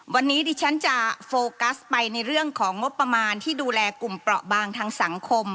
วันนี้ดิฉันจะโฟกัสไปในเรื่องของงบประมาณที่ดูแลกลุ่มเปราะบางทางสังคม